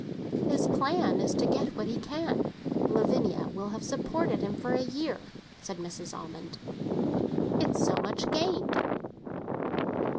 "His plan is to get what he can. Lavinia will have supported him for a year," said Mrs. Almond. "It's so much gained."